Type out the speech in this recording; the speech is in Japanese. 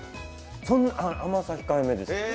甘さ控えめです。